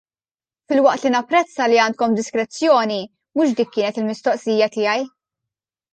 Filwaqt li napprezza li għandkom diskrezzjoni, mhux dik kienet il-mistoqsija tiegħi.